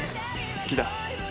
「好きだ」